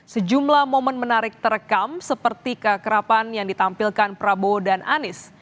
sejumlah momen menarik terekam seperti keakrapan yang ditampilkan prabowo dan anies